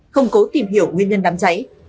không cố tìm hiểu nguyên nhân đám cháy